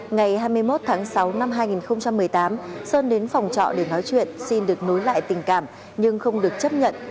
ngày hai mươi một tháng sáu năm hai nghìn một mươi tám sơn đến phòng trọ để nói chuyện xin được nối lại tình cảm nhưng không được chấp nhận